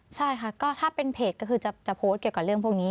ใช่ค่ะก็ถ้าเป็นเพจก็คือจะโพสต์เกี่ยวกับเรื่องพวกนี้